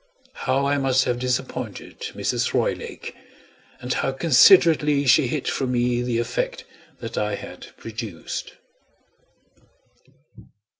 How I must have disappointed Mrs. Roylake! and how considerately she hid from me the effect that I had produced!